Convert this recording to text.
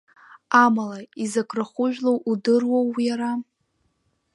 Амала, изакә рахәыжәлоу удыруоу иара!